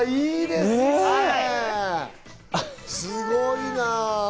すごいな！